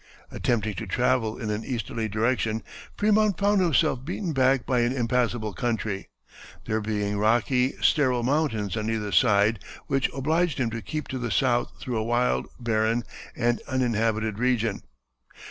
Attempting to travel in an easterly direction Frémont found himself beaten back by an impassable country, there being rocky, sterile mountains on either side which obliged him to keep to the south through a wild, barren, and uninhabited region.